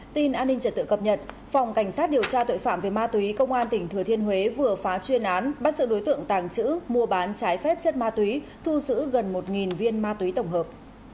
tin an ninh trật tự cập nhật phòng cảnh sát điều tra tội phạm về ma túy công an tỉnh thừa thiên huế vừa phá chuyên án bắt sự đối tượng tàng trữ mua bán trái phép chất ma túy thu giữ gần một viên ma túy tổng hợp